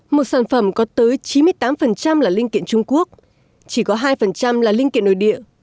một sản phẩm có tới chín mươi tám là linh kiện trung quốc chỉ có hai là linh kiện nội địa